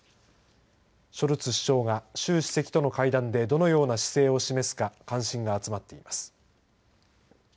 ショルツ首相が習主席との会談でどのような姿勢を示すか関心が集まっています。